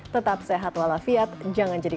tetap sehat walafiat jangan jadi